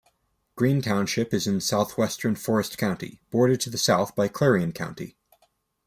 Green Township is in southwestern Forest County, bordered to the south by Clarion County.